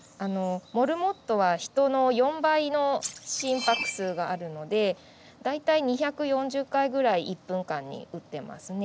モルモットは人の４倍の心拍数があるので大体２４０回ぐらい１分間に打ってますね。